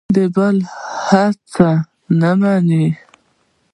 د بل هېچا نه مني.